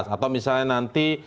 atau misalnya nanti